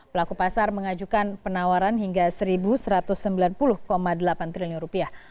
pelaku pasar mengajukan penawaran hingga satu satu ratus sembilan puluh delapan triliun rupiah